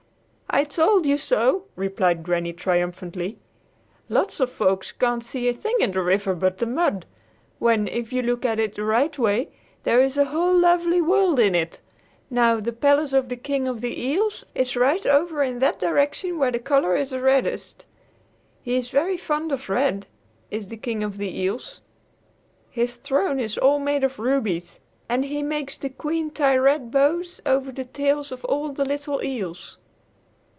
"I told you so," replied Granny triumphantly. "Lots of folks can't see a thing in the river but the mud, when, if you look at it the right way, there is a whole lovely world in it. Now, the palace of the King of the Eels is right over in that direction where the color is the reddest. He is very fond of red, is the King of the Eels. His throne is all made of rubies, and he makes the Queen tie red bows on the tails of all the little eels."